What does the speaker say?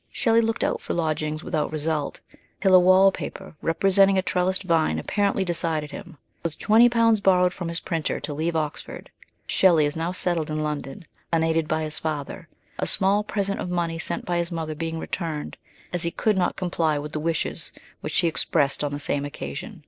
Shelley looked out for lodgings without result, till a wall paper representing a trellised vine apparently decided him. With twenty pounds borrowed from his printer to leave Oxford, Shelley is now settled in London, un SHELLEY. 45 aided by his father, a small present of money sent by his mother being returned, as lie could not comply with the wishes which she expressed on the same occa sion.